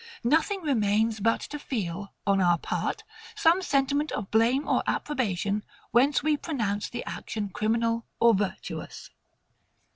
Nothing remains but to feel, on our part, some sentiment of blame or approbation; whence we pronounce the action criminal or virtuous.